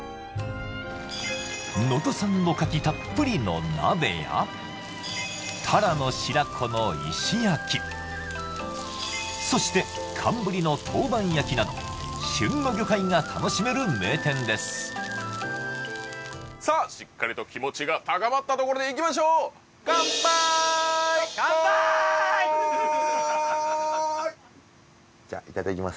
能登産のカキたっぷりの鍋やタラの白子の石焼そして寒ブリの陶板焼など旬の魚介が楽しめる名店ですさあしっかりと気持ちが高まったところでいきましょうカンパイカンパーイじゃいただきます